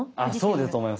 そうだと思います。